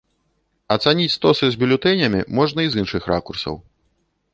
Ацаніць стосы з бюлетэнямі можна і з іншых ракурсаў.